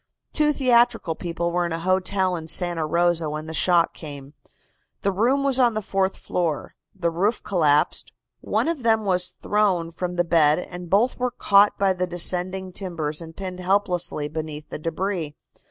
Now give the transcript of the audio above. Two theatrical people were in a hotel in Santa Rosa when the shock came. The room was on the fourth floor. The roof collapsed. One of them was thrown from the bed and both were caught by the descending timbers and pinned helplessly beneath the debris.